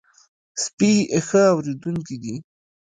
سپي ښه اورېدونکي دي.